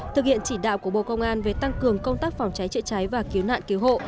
thực hiện chỉ đạo của bộ công an về tăng cường công tác phòng cháy chữa cháy và cứu nạn cứu hộ